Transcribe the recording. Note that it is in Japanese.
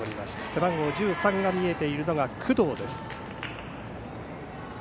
背番号１３が見えているのが工藤です。